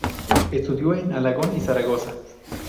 Estudió en Alagón y Zaragoza.